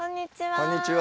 こんにちは。